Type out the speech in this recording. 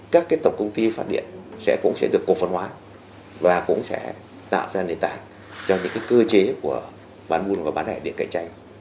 các tổng công ty phát điện cũng sẽ được cổ phần hóa và cũng sẽ tạo ra nền tảng cho những cơ chế của bán buôn và bán lẻ điện cạnh tranh